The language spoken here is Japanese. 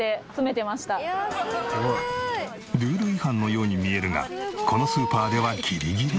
ルール違反のように見えるがこのスーパーでは。